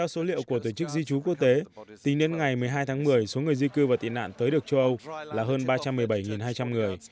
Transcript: số liệu của tổ chức di trú quốc tế tính đến ngày một mươi hai tháng một mươi số người di cư và tị nạn tới được châu âu là hơn ba trăm một mươi bảy hai trăm linh người